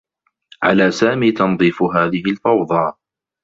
على سامي تنظيف هذه الفوضى.